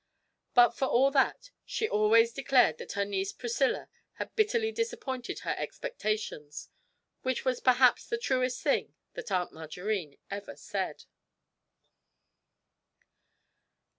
But, for all that, she always declared that her niece Priscilla had bitterly disappointed her expectations which was perhaps the truest thing that Aunt Margarine ever said.